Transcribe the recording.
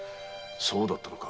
そうだったのか。